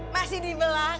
masih di belakang